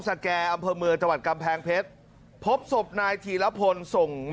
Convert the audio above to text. สแก่อำเภอเมืองจังหวัดกำแพงเพชรพบศพนายธีรพลส่ง